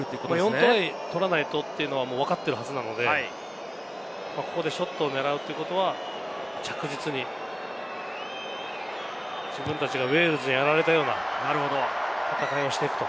４トライを取らないとというところはわかっているはずなので、ここでショット狙うというのは確実に自分たちがウェールズにやられたような戦いをしていると。